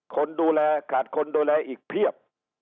คนดูแลขาดคนดูแลอีกเพียบ